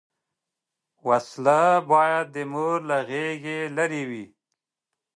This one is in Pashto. وسله باید د مور له غېږه لرې وي